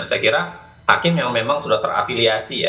saya kira hakim yang memang sudah terafiliasi ya